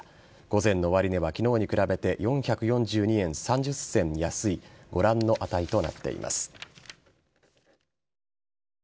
午前の終値は昨日に比べて４４２円３０銭安いご覧の値となっています。